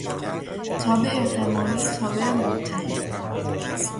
تابع همانی، تابع متحد